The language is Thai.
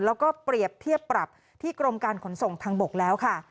แล้วก็เปรียบเทียบปรับที่กรมการขนส่งทางบกแล้วค่ะ